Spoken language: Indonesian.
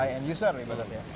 high end user ini berarti ya